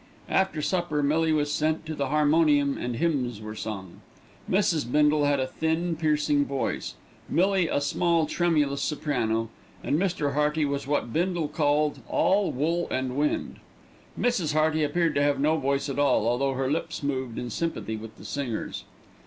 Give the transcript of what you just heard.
After supper Millie was sent to the harmonium and hymns were sung. Mrs. Bindle had a thin, piercing voice, Millie a small tremulous soprano, and Mr. Hearty was what Bindle called "all wool and wind." Mrs. Hearty appeared to have no voice at all, although her lips moved in sympathy with the singers.